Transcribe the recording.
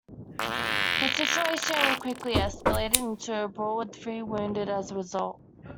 The situation quickly escalated into a brawl with three wounded as a result.